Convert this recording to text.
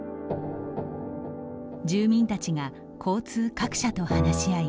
住民たちが交通各社と話し合い